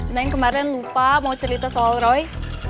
neng kemarin lupa mau cerita soal roy